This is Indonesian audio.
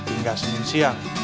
hingga seminggu siang